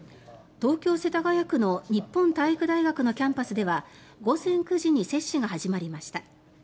東京・世田谷区の日本体育大学のキャンパスでは午前９時に接種が始まりました。